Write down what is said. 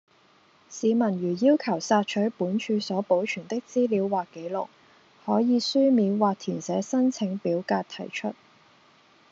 市民如要求索取本署所保存的資料或紀錄，可以書面或填寫申請表格提出